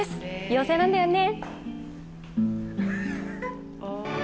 妖精なんだよね。